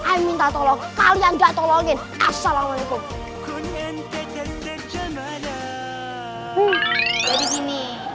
aku minta tolong kalian tolongin assalamualaikum